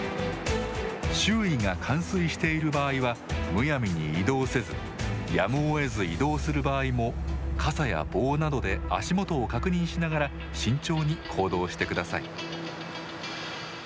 周囲が冠水している場合はむやみに移動せずやむをえず移動する場合も傘や棒などで足元を確認しながら慎重に行動してください。